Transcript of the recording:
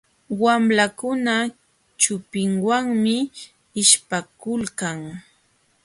Wamlakuna chupinwanmi ishpakulkan.